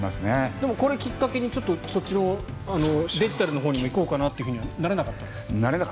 でも、これきっかけにそっちのデジタルのほうに行こうかなとはならなかったんですか？